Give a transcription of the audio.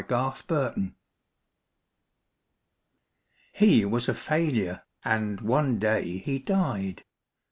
COMPASSION HE was a failure, and one day he died.